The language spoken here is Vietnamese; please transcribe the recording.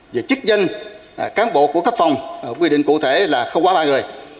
về chức danh cán bộ của cấp phòng quy định cụ thể là không quá ba người